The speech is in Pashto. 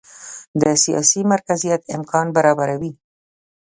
د سیاسي مرکزیت امکان برابروي.